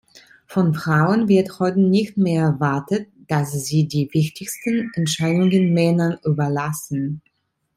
Von Frauen wird heute nicht mehr erwartet, dass sie die wichtigsten Entscheidungen Männern überlassen.